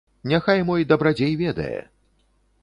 Няхай мой дабрадзей ведае.